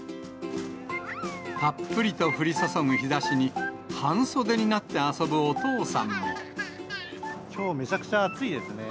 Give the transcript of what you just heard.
たっぷりと降り注ぐ日ざしに、きょう、めちゃくちゃ暑いですね。